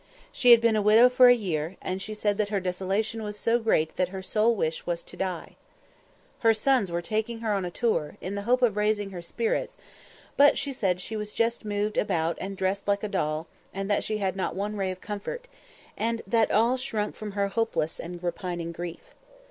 She had been a widow for a year, and she said that her desolation was so great that her sole wish was to die. Her sons were taking her a tour, in the hope of raising her spirits, but she said she was just moved about and dressed like a doll, that she had not one ray of comfort, and that all shrunk from her hopeless and repining grief.